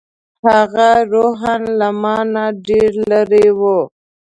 هغه روحاً له ما نه ډېره لرې وه.